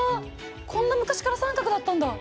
こんな昔から三角だったんだ。